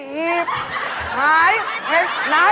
หีบมากมาย